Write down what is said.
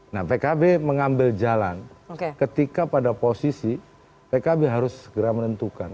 nah pkb mengambil jalan ketika pada posisi pkb harus segera menentukan